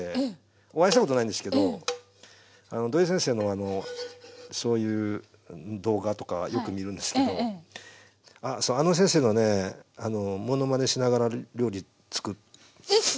お会いしたことないんですけど土井先生のそういう動画とかはよく見るんですけどあの先生のねものまねしながら料理つくる。